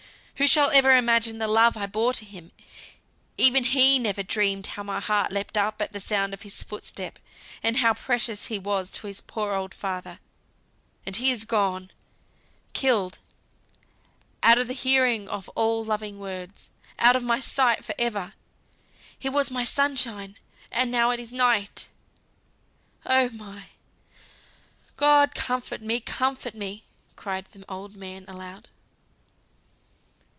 who shall ever imagine the love I bore to him? Even he never dreamed how my heart leapt up at the sound of his footstep, and how precious he was to his poor old father. And he is gone killed out of the hearing of all loving words out of my sight for ever. He was my sunshine, and now it is night! Oh, my God! comfort me, comfort me!" cried the old man aloud.